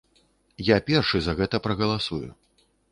Я першы за гэта прагаласую.